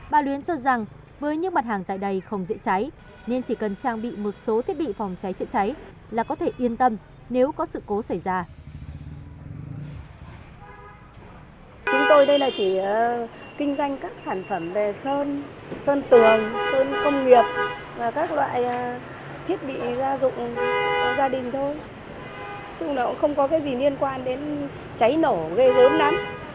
bà luyến cho rằng với những mặt hàng tại đây không dễ cháy nên chỉ cần trang bị một số thiết bị phòng cháy chữa cháy là có thể yên tâm nếu có sự cố xảy ra